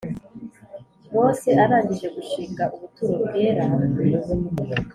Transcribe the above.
Mose arangije gushinga ubuturo bwera